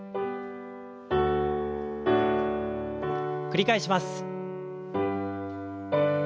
繰り返します。